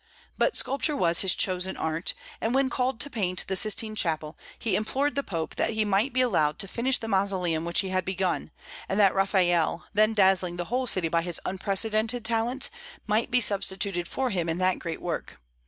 But sculpture was his chosen art, and when called to paint the Sistine Chapel, he implored the Pope that he might be allowed to finish the mausoleum which he had begun, and that Raphael, then dazzling the whole city by his unprecedented talents, might be substituted for him in that great work.